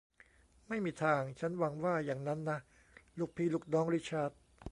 ไม่มีทาง ฉันหวังว่าอย่างนั้นนะ ลูกพี่ลูกน้องริชาร์ด